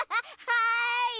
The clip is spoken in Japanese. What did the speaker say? はい。